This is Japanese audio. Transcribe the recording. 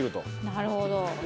なるほど。